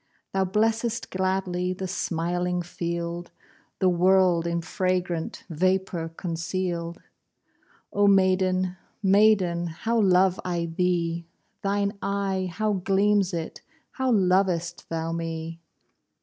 Thou blessest gladly The smiling field, The world in fragrant Vapour conceal'd. Oh maiden, maiden, How love I thee! Thine eye, how gleams it! How lov'st thou me!